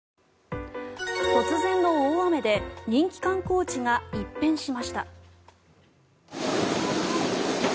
突然の大雨で人気観光地が一変しました。